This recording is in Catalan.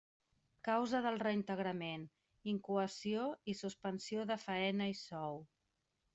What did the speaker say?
Causa del reintegrament: incoació i suspensió de faena i sou.